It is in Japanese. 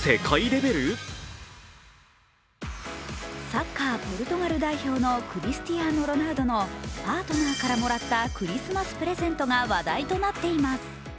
サッカー・ポルトガル代表のクリスチアーノ・ロナウドのパートナーからもらったクリスマスプレゼントが話題となっています。